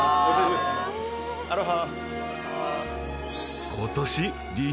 アロハ。